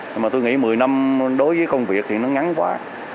nhưng mà tôi nghĩ một mươi năm đối với công việc thì nó ngắn quá